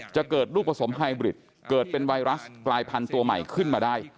จะเกิดลูกผสมไฮบริดเกิดเป็นไวรัสกลายพันธุ์ตัวใหม่ขึ้นมาได้